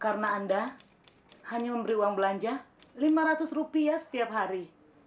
karena anda hanya memberi uang belanja lima ratus rupiah setiap hari